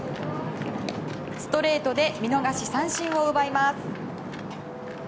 ストレートで見逃し三振を奪います。